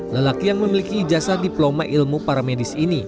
lelaki yang memiliki jasa diploma ilmu para medis ini